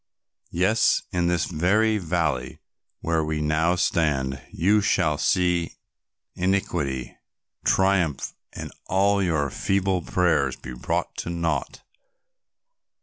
Yes, in this very valley where we now stand, you shall see iniquity triumph and all your feeble prayers be brought to naught.